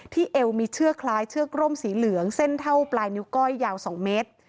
เอวมีเชือกคล้ายเชือกร่มสีเหลืองเส้นเท่าปลายนิ้วก้อยยาว๒เมตร